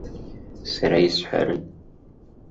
Сара исҳәарын.